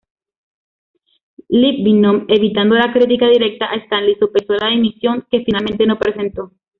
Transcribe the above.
Litvínov, evitando la crítica directa a Stalin, sopesó la dimisión, que finalmente no presentó.